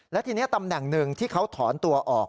และทีนี้ตำแหน่งหนึ่งที่เขาถอนตัวออก